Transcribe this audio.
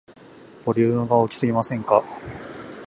ボリュームが大きすぎませんか